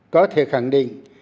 có thể khẳng định